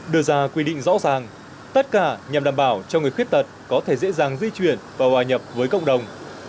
đưa ra quy định rõ ràng tất cả nhằm đảm bảo cho người khuyết tật có thể dễ dàng di chuyển và hòa nhập với cộng đồng